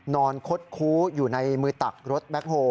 คดคู้อยู่ในมือตักรถแบ็คโฮล